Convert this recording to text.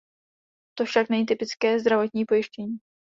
To však není typické zdravotní pojištění.